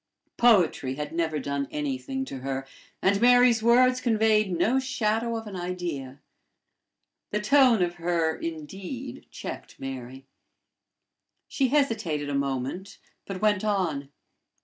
Poetry had never done anything to her, and Mary's words conveyed no shadow of an idea. The tone of her indeed checked Mary. She hesitated a moment, but went on.